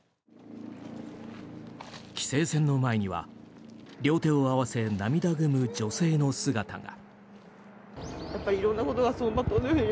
規制線の前には両手を合わせ涙ぐむ女性の姿が。